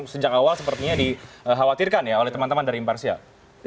sejak awal sepertinya dikhawatirkan ya oleh teman teman dari imparsial